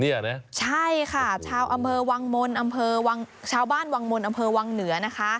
นี่แหละใช่ค่ะชาววังมนอำเพวังชาวบ้านวังมนอำเพวังเหนือนะคะ